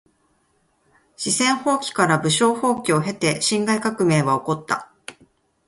四川蜂起から武昌蜂起を経て辛亥革命は起こった。